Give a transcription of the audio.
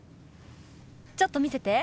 ちょっと見せて。